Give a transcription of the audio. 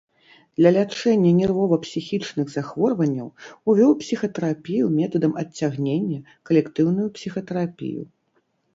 Для лячэння нервова-псіхічных захворванняў увёў псіхатэрапію метадам адцягнення, калектыўную псіхатэрапію.